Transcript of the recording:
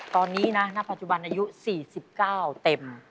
ตอนนี้นะณปัจจุบันอายุ๔๙เต็ม